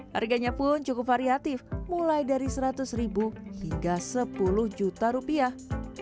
harganya pun cukup variatif mulai dari seratus ribu hingga sepuluh juta rupiah